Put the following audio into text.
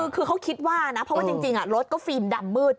คือเขาคิดว่านะเพราะว่าจริงรถก็ฟิล์มดำมืด